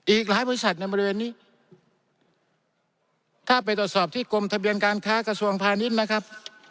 อีกหลายบริษัทในบริเวณนี้ถ้าไปตรวจสอบที่กรมทะเบียนการค้ากระทรวงพาณิชย์นะครับ